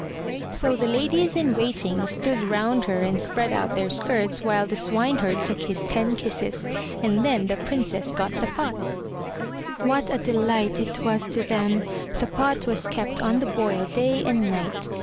So the ladies in waiting stood round her and spread out their skirts while the swineherd took his ten kisses, and then the Princess got the pot. 272 THE TREASURE CHEST What a delight it was to them. The pot was kept on the boil day and night.